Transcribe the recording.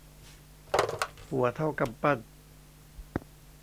หัวเท่ากำปั้น